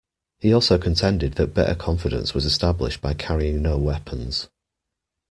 He also contended that better confidence was established by carrying no weapons.